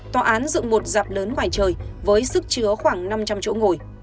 tòa án dựng một dạp lớn ngoài trời với sức chứa khoảng năm trăm linh chỗ ngồi